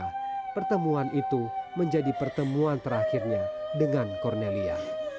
karena pertemuan itu menjadi pertemuan terakhirnya dengan cornelia